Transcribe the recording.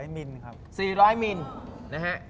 ๔๐๐นินครับลุย๔๐๐นินนะฮะ